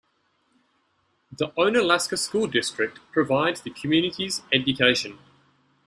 The Onalaska School District provides the community's education.